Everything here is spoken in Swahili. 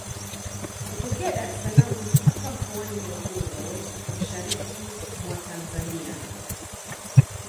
Kutokea Dar es salaam mpaka Mkoani Morogoro mashariki mwa Tanzania